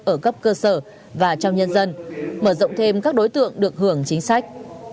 ở cấp cơ sở và trong nhân dân mở rộng thêm các đối tượng được hưởng chính sách